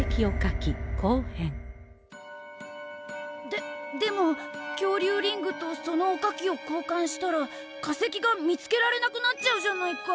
ででもきょうりゅうリングとそのおかきをこうかんしたら化石が見つけられなくなっちゃうじゃないか。